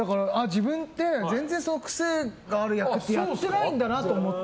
自分って全然癖がある役ってやってないんだなって思って。